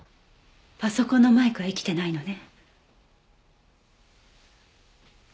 パソコンのマイクは生きてないのね。